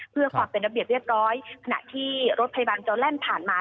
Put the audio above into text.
เพื่อความเป็นระเบียบเรียบร้อยขณะที่รถพยาบาลจอแลนด์ผ่านมา